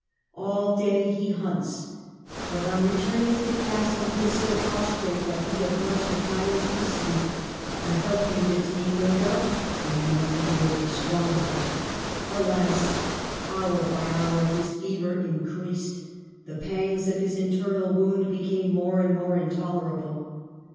All day he hunts ; but on returning to the castle he is so prostrate that he at once retires to sleep. A healthy fatigue, no doubt; in the morning he will be stronger. Alas ! houj by hour his fever increased, the pangs of his internal wound became more and more intolerable.